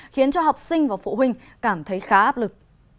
khiến cho học sinh và phụ huynh cảm thấy khá áp lực